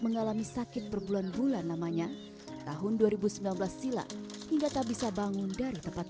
mengalami sakit berbulan bulan namanya tahun dua ribu sembilan belas silam hingga tak bisa bangun dari tempat